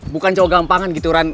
bukan cowok gampangan gitu